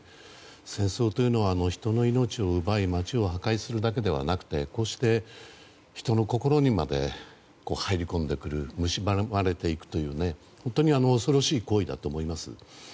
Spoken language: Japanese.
戦争というのは人の命を奪い街を破壊するだけではなくてこうして、人の心にまで入り込んでくるむしばまれていくという本当に恐ろしい行為だと思います。